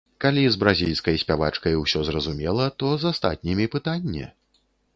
Калі з бразільскай спявачкай усё зразумела, то з астатнімі пытанне.